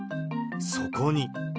そこに。